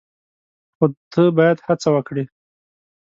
خو ته باید هڅه وکړې !